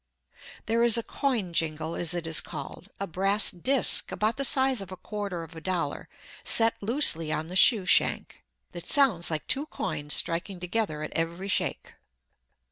There is a "coin jingle," as it is called, a brass disc about the size of a quarter of a dollar set loosely on the shoe shank, that sounds like two coins striking together at every shake.